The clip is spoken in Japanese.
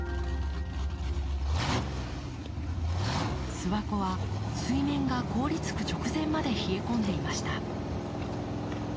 諏訪湖は水面が凍りつく直前まで冷え込んでいました。